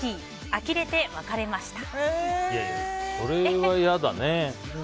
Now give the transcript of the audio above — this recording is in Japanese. あきれて別れました。